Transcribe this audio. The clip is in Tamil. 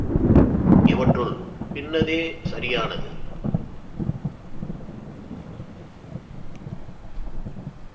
இவற்றுள் பின்னதே சரியானது.